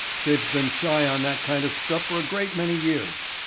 They've been shy on that kind of stuff for a great many years.